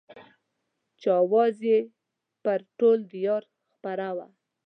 چې اوازه يې پر ټول ديار خپره وه.